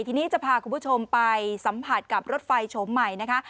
ทีนี้จะพาคุณผู้ชมไปสัมผัสกับรถไฟโฉมใหม่นะคะ